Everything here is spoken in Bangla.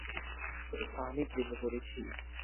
আমি প্রেমে পড়েছি।